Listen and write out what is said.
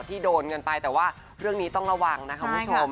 ที่โดนเงินไปแต่ว่าเรื่องนี้ต้องระวังนะคะคุณผู้ชม